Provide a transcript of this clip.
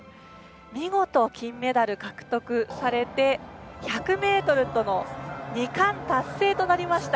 見事、金メダル獲得されて１００ｍとの２冠達成となりました。